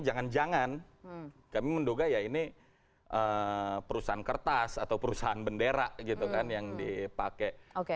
jangan jangan kami menduga ya ini perusahaan kertas atau perusahaan bendera gitu kan yang dipakai